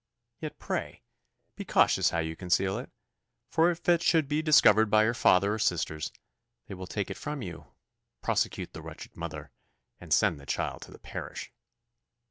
Yet, pray be cautious how you conceal it; for if it should be discovered by your father or sisters, they will take it from you, prosecute the wretched mother, and send the child to the parish."